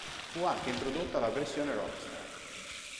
Fu anche introdotta la versione roadster.